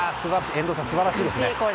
遠藤さん、素晴らしいですね。